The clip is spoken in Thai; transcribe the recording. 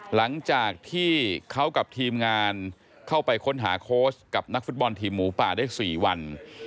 หลังจากที่เขากับทีมงานเข้าไปค้นหาโค้ชกับนักฟุตบอลทีมหมูป่าได้๔วัน